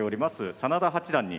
真田八段に。